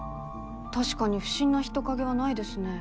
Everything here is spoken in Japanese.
確かに不審な人影はないですね。